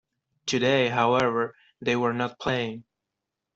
Today, however, they were not playing.